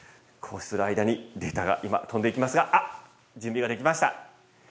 こうしてる間にデータが今、飛んでいきますが、あっ、準備ができました。